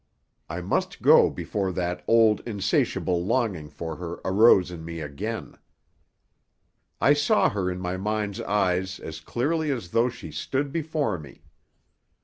I must go before that old, insatiable longing for her arose in me again. I saw her in my mind's eyes as clearly as though she stood before me.